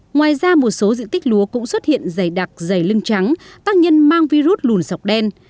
ngoài ra một số diện tích lúa cũng xuất hiện dày đặc dày lưng trắng tác nhân mang virus lùn sọc đen